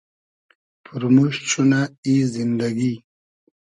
پورموشت شونۂ ای زیندئگی